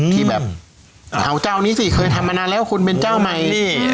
ที่แบบเอาเจ้านี้สิเคยทำมานานแล้วคุณเป็นเจ้าใหม่นี่